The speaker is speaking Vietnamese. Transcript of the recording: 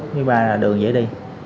thứ ba là đường dễ đi